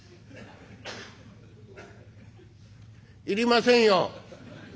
「要りませんよ。